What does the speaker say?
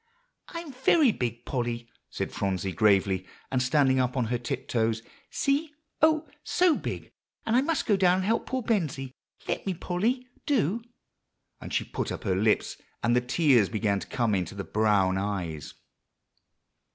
"I'm very big, Polly," said Phronsie gravely, and standing up on her tiptoes. "See oh, so big! and I must go down and help poor Bensie. Let me, Polly, do!" and she put up her lips, and the tears began to come into the brown eyes.